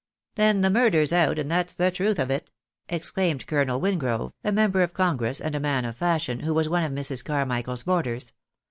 " Then the murder's out, and that's the truth of it," exclaimed Colonel Wingrove, a member of congress and a man of fashion, who was one of Mrs. Carmichael's boarders.